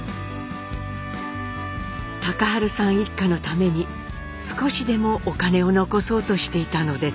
隆治さん一家のために少しでもお金を残そうとしていたのです。